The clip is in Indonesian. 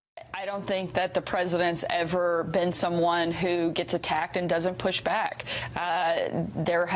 saya tidak pikir bahwa presiden pernah menjadi seseorang yang tergolong dan tidak mendorong